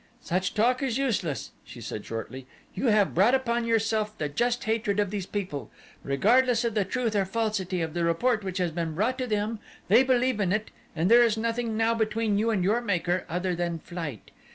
"Such talk is useless," she said shortly. "You have brought upon yourself the just hatred of these people. Regardless of the truth or falsity of the report which has been brought to them, they believe in it and there is nothing now between you and your Maker other than flight.